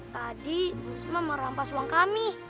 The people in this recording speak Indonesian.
tadi bu risma merampas uang kami